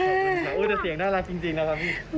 แต่เสียงน่ารักจริงนะครับพี่